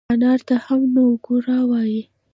انار ته هم نووګوړه وای